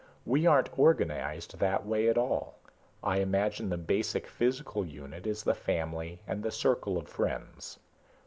We aren't organized that way at all. I imagine the basic physical unit is the family and the circle of friends.